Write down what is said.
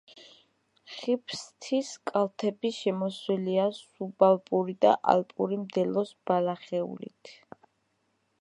ხიფსთის კალთები შემოსილია სუბალპური და ალპური მდელოს ბალახეულით.